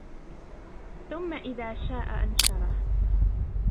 ثُمَّ إِذَا شَاءَ أَنْشَرَهُ